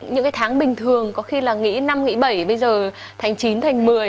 những cái tháng bình thường có khi là nghỉ năm nghỉ bảy bây giờ tháng chín thành một mươi